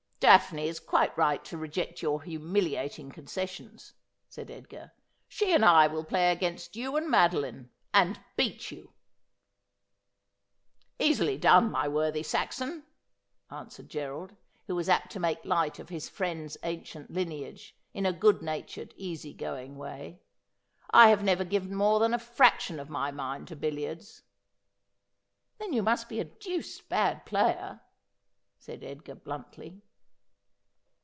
'Daphne is quite right to reject your.humiliating concessions,' said Edgar. ' She and I will play against you and Madoline, and beat you.' ' Easily done, my worthy Saxon,' answered Gerald, who was apt to make light of his friend's ancient lineage, in a good natured easy going way. ' I have never given more than a frac tion of my mind to billiards.' ' Then you must be a deuced bad player,' said Edgar bluntly.